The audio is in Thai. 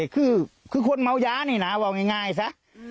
คือคนเมายานี่นะว่าง่ายซะ